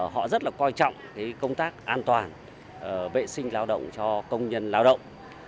họ rất là coi trọng công tác an toàn vệ sinh lao động cho công nhân lao động